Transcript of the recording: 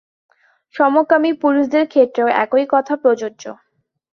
সমকামী পুরুষদের ক্ষেত্রেও একই কথা প্রযোজ্য।